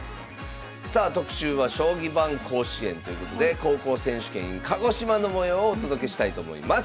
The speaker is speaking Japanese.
さあ特集は「将棋版甲子園！」ということで「高校選手権ｉｎ鹿児島」の模様をお届けしたいと思います。